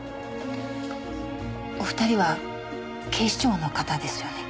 お二人は警視庁の方ですよね？